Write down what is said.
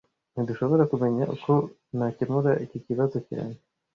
Ntidushobora kumenya uko nakemura iki kibazo cyane